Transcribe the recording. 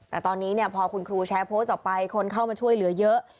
แต่ตอนนี้เนี่ยพอคุณครูแชร์โพสต์ออกไปคนเข้ามาช่วยเหลือเยอะ